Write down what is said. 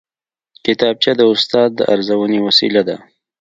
کتابچه د استاد د ارزونې وسیله ده